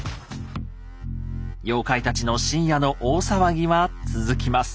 妖怪たちの深夜の大騒ぎは続きます。